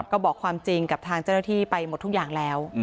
ก็บอกความจริงกับทางเจ้าหน้าที่ไปหมดทุกอย่างแล้ว